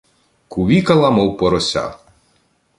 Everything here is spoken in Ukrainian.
Кувікала, мов порося.